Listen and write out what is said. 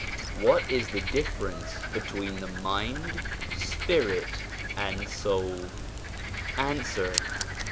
What is the difference between the mind, spirit, and soul ? Answer.